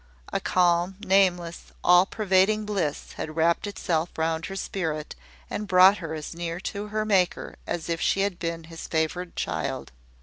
A calm, nameless, all pervading bliss had wrapped itself round her spirit, and brought her as near to her Maker as if she had been his favoured child.